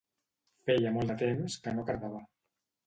Feia molt de temps que no cardava.